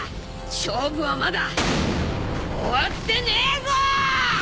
勝負はまだ終わってねえぞ！